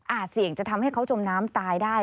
เสี่ยงจะทำให้เขาจมน้ำตายได้